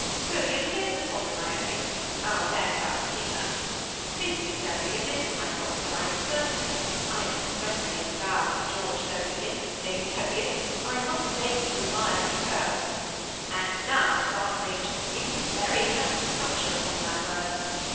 William, here's the sovereign I owe you — our bet about the steamer. Mrs. Dowbiggin, this is my godson, I am certain. I am expressly proud of George Dowbiggin, Lady Teviot ; THE SEMI ATTACHED COUPLE. 193 I must beg you to admire these curls. And now for our bridge ; it is a very handsome structure, upon mj word.